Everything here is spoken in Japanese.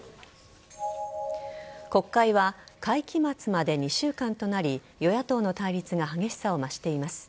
国会は会期末まで２週間となり与野党の対立が激しさを増しています。